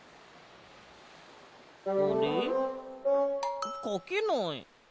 あれ？かけない。